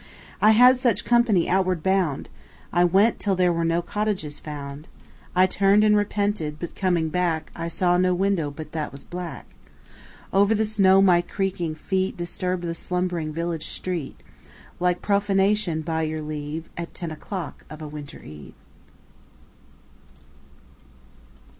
I had such company outward bound. I went till there were no cottages found. I turned and repented, but coming back I saw no window but that was black. Over the snow my creaking feet Disturbed the slumbering village street Like profanation, by your leave, At ten o'clock of a winter eve.